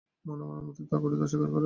মনে মনে মতি তা করিতে অস্বীকার করে।